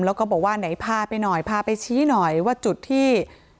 แล้วก็บอกว่าไหนพาไปหน่อยพาไปชี้หน่อยว่าจุดที่